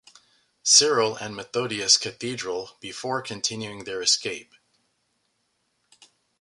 Cyril and Methodius Cathedral before continuing their escape.